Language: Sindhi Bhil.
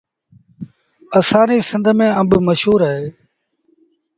اسآݩ ريٚ سنڌ ميݩ آݩب جآم مشهور اوهيݩ